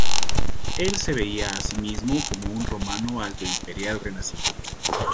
Él se veía a sí mismo como un romano altoimperial renacido.